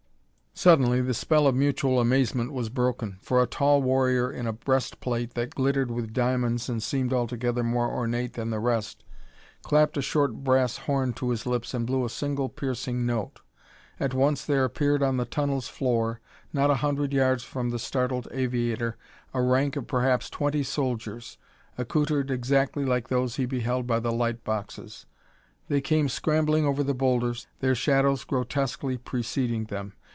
Suddenly the spell of mutual amazement was broken, for a tall warrior in a breast plate that glittered with diamonds and seemed altogether more ornate than the rest, clapped a short brass horn to his lips and blew a single piercing note. At once there appeared on the tunnel's floor, not a hundred yards from the startled aviator, a rank of perhaps twenty soldiers, accoutred exactly like those he beheld by the light boxes. They came scrambling over the boulders, their shadows grotesquely preceding them.